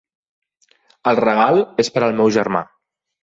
El regal és per al meu germà.